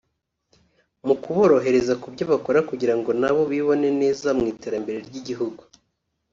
mu kuborohereza mu byo bakora kugira ngo nabo bibone neza mu iterambere ry’igihugu